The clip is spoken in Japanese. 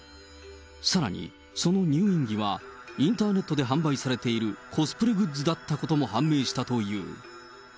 さらに、その入院着は、インターネットで販売されているコスプレグッズだったことも判明したという。